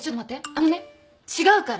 あのね違うから。